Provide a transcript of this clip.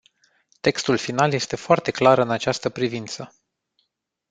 Textul final este foarte clar în această privință.